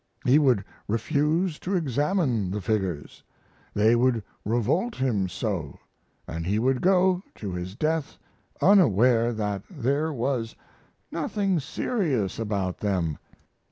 He would refuse to examine the figures, they would revolt him so, & he would go to his death unaware that there was nothing serious about them.